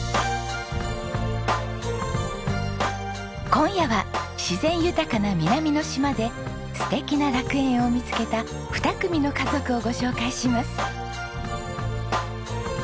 今夜は自然豊かな南の島で素敵な楽園を見つけた２組の家族をご紹介します。